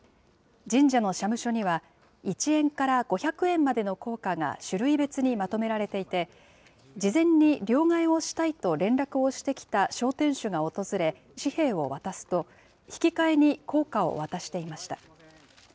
神社の社務所には、一円から五百円までの硬貨が種類別にまとめられていて、事前に両替をしたいと連絡をしてきた商店主が訪れ紙幣を渡すと、引き換えに硬貨を渡していました。